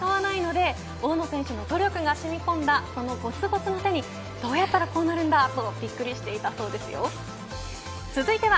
普段サッカーでは手を使わないので大野選手の努力がしみ込んだこのごつごつの手にどうやったらこうなるんだとびっくりしていたそうですよ。